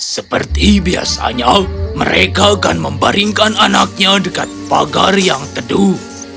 seperti biasanya mereka akan membaringkan anaknya dekat pagar yang teduh